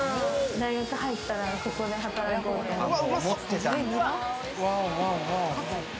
大学入ったら、ここで働こうって。